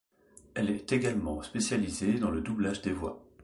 Elle est également spécialisée dans le doublage des voix.